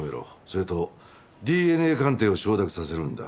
それとＤＮＡ鑑定を承諾させるんだ。